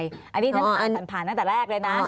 อย่างนี้ท่านถ่านหรือนักทั้งแต่แรกเลยนะ